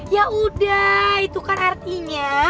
yaudah itu kan artinya